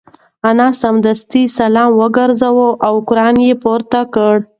انا سمدستي سلام وگرځاوه او قران یې پورته کړ.